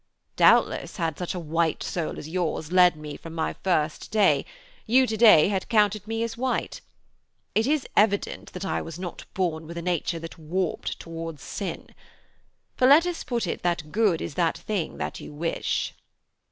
'Doubtless, had such a white soul as yours led me from my first day, you to day had counted me as white. It is evident that I was not born with a nature that warped towards sin. For, let us put it that Good is that thing that you wish.'